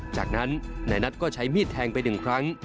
จากนั้นนายนัทก็ใช้มีดแทงไปหนึ่งครั้ง